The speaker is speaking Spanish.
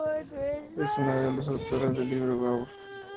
Es una de los autoras del libro ""Gaur.